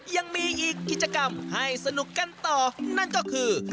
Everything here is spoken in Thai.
ยังมีอีกกิจกรรมให้สนุกกันต่อนั่นก็คือ